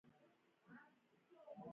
صبر او باور انسان بریا ته رسوي.